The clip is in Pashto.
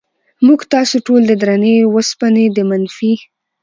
موږ تاسې ټول د درنې وسپنې د منفي